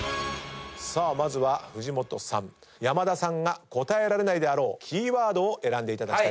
まずは藤本さん山田さんが答えられないであろうキーワードを選んでいただきたいと思います。